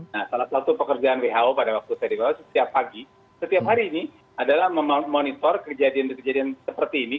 nah salah satu pekerjaan who pada waktu saya dibawa setiap pagi setiap hari ini adalah memonitor kejadian kejadian seperti ini